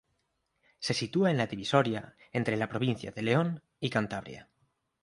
Se sitúa en la divisoria entre la provincia de León y Cantabria.